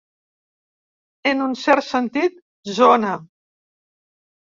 En un cert sentit, zona.